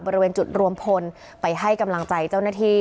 บริเวณจุดรวมพลไปให้กำลังใจเจ้าหน้าที่